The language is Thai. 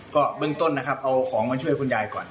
ก็เบื้องต้นนะครับเอาของมาช่วยคุณยายก่อน